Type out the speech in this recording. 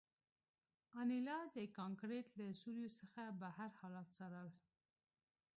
انیلا د کانکریټ له سوریو څخه بهر حالات څارل